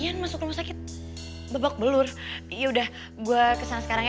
ian masuk rumah sakit babak belur yaudah gue kesana sekarang ya